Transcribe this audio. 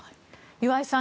岩井さん